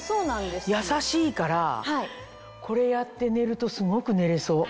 優しいからこれやって寝るとすごく寝れそう。